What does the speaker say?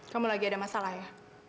kamu lagi ada masalah ya